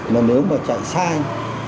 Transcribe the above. mà nếu mà chạy sai